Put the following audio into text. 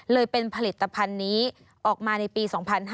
เลยเป็นผลิตภัณฑ์นี้ออกมาในปี๒๕๕๙